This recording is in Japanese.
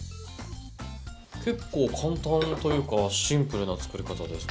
結構簡単というかシンプルな作り方ですね。